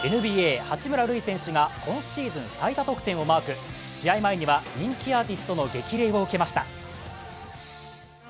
ＮＢＡ・八村塁選手が今シーズン最多得点をマーク、試合前には人気アーティストの激励を受けました。